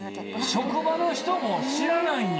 職場の人も知らないんや。